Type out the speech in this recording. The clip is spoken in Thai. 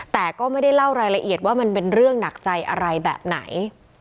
แต่ก็ไม่ได้เล่ารายละเอียดว่ามันเป็นเรื่องหนักใจอะไรแบบไหน